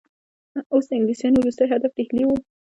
اوس د انګلیسیانو وروستی هدف ډهلی وو.